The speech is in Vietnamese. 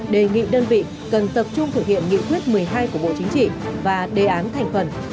đề nghị đơn vị cần tập trung thực hiện nghị quyết một mươi hai của bộ chính trị và đề án thành phần